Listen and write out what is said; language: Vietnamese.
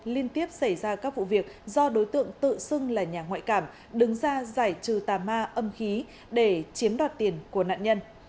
liên tiếp xảy ra các vụ việc do đối tượng tự xưng là nhà ngoại cảm đứng ra giải trừ tà ma âm khí để chiếm đoạt tiền của nạn nhân